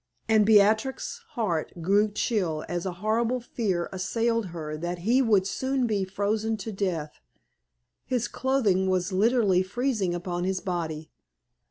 And Beatrix's heart grew chill as a horrible fear assailed her that he would soon be frozen to death. His clothing was literally freezing upon his body.